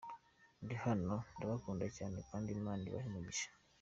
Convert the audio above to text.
Ndi hano, ndabakunda cyane kandi Imana ibahe umugisha.